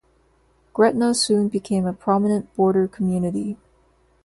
Gretna soon became a prominent border community.